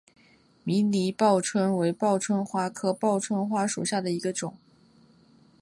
迷离报春为报春花科报春花属下的一个种。